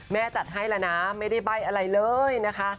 จัดให้แล้วนะไม่ได้ใบ้อะไรเลยนะคะ